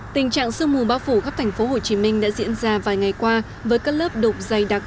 tình trạng sương mù bao phủ khắp tp hcm đã diễn ra vài ngày qua với các lớp đục dày đặc